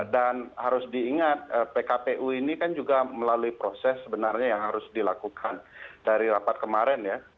dan harus diingat pkpu ini kan juga melalui proses sebenarnya yang harus dilakukan dari rapat kemarin ya